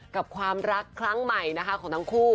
กับความรักครั้งใหม่นะคะของทั้งคู่